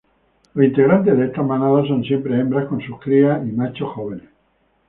Los integrantes de estas manadas son siempre hembras con sus crías y machos jóvenes.